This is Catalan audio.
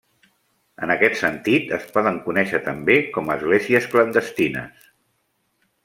En aquest sentit es poden conèixer també com a esglésies clandestines.